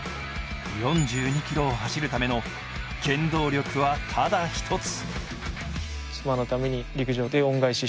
４２ｋｍを走るための原動力はただ一つ。